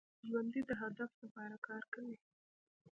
ژوندي د هدف لپاره کار کوي